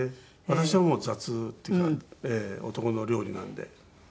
私はもう雑っていうか男の料理なんで。